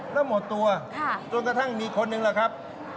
แล้วหมดตัวจนกระทั่งมีคนหนึ่งแหละครับ